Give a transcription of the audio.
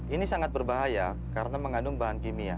ini sangat berbahaya karena mengandung bahan kimia